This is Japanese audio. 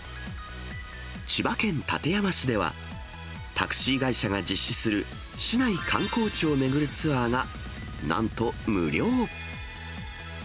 千葉県館山市では、タクシー会社が実施する市内観光地を巡るツアーが、なんと無料。